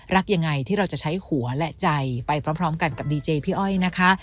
รักยังไงที่เราจะใช้หัวและใจไปพร้อมกันกับดีเจพี่อ้อยนะคะ